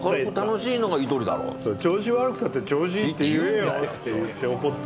調子悪くたって調子いいって言えよって怒った。